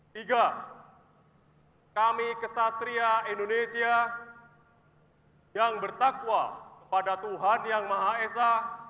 tiga kami kesatria indonesia yang bertakwa kepada tuhan yang maha esa